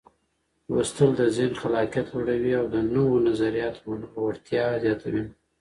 لوستل د ذهن خلاقيت لوړوي او د نوو نظریاتو منلو وړتیا زیاتوي.